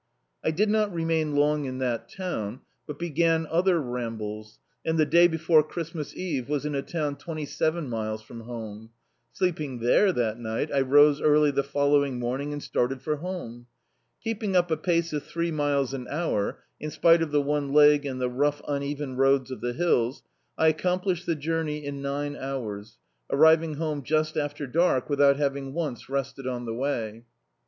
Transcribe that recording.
I did not remain laag in that town, but b^an other rambles, and the day before Christmas eve, was in a town twenty seven miles from home; sleeping there that night I rose early the following morning and started for home. Keeping up a pace of three miles an hour, in spite of the one leg and the rou^ un even roads of the hills, I accomplished the joumey in nine hours, arriving home just after dark, without having once rested on the way.